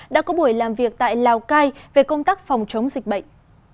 đã có buổi làm việc tại lào cai về công tác phòng chống dịch bệnh